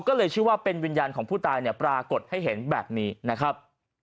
ก็เลยเชื่อว่าเป็นวิญญาณของผู้ตายเนี่ยปรากฏให้เห็นแบบนี้นะครับ